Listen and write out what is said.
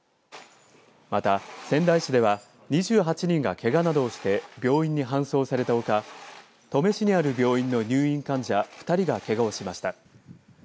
また仙台市では２８人がけがなどをして病院に搬送されたほか登米市にある病院の入院患者２人がけがをしました。